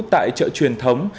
tại chợ truyền thống